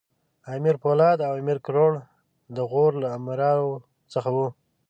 امیر پولاد او امیر کروړ د غور له امراوو څخه وو.